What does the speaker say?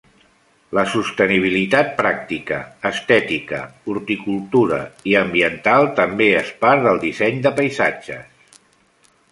La sostenibilitat pràctica, estètica, horticultora i ambiental també és part del disseny de paisatges.